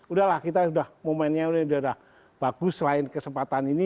udah lah kita udah momennya udah bagus selain kesempatan ini